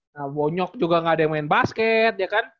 nah bonyok juga nggak ada yang main basket ya kan